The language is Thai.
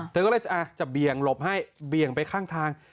เธอก็เลยจะเบี่ยงหลบให้เบี่ยงไปข้างทาง